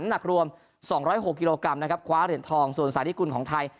หนักรวม๒๐๖กิโลกรัมนะครับคว้าเหรียญทองส่วนสาธิกุลของไทย